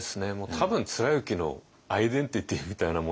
多分貫之のアイデンティティーみたいなものなので和歌って。